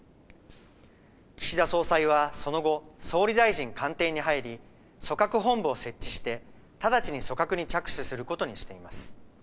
岸田総裁はその後、総理大臣官邸に入り組閣本部を設置して直ちに組閣に着手することにしています。